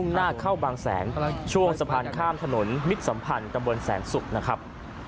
หน้าเข้าบางแสนช่วงสะพานข้ามถนนมิตรสัมพันธ์ตำบลแสนศุกร์นะครับ